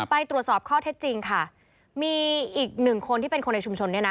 ไปตรวจสอบข้อเท็จจริงค่ะมีอีกหนึ่งคนที่เป็นคนในชุมชนเนี่ยนะ